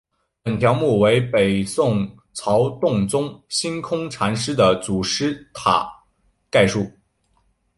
本条目为北宋曹洞宗心空禅师的祖师塔概述。